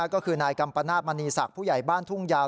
ก็คือนายกัมปนาศมณีศักดิ์ผู้ใหญ่บ้านทุ่งยาว